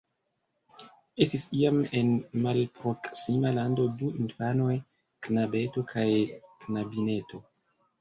Estis iam en malproksima lando du infanoj, knabeto kaj knabineto.